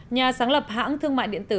nhà sáng lập hãng thương mại điện tử